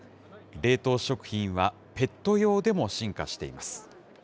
冷凍食品は、ペット用でも進化しています。